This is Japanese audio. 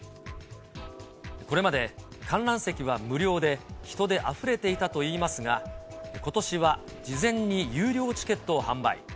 これまで観覧席は無料で、人であふれていたといいますが、ことしは事前に有料チケットを販売。